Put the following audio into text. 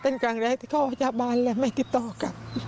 เป็นครั้งแรกที่เขาจะบันไม่ติดต่อกัน